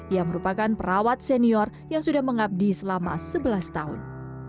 ia merupakan perawat senior yang sudah mengabdi selama sebelas tahun